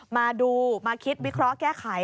มาดูมาคิดวิเคราะห์แก้ไข